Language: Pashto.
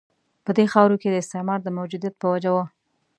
په دې خاورو کې د استعمار د موجودیت په وجه وه.